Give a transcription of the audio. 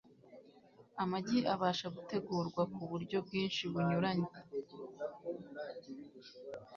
Amagi abasha gutegurwa ku buryo bwinshi bunyuranye